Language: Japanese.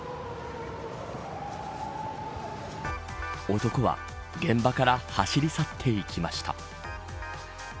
男は現場から走り去って行きました。